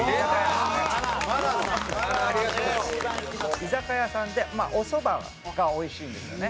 居酒屋さんでおそばがおいしいんですよね。